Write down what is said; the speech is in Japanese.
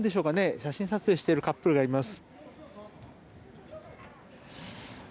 写真撮影しているカップルがいます。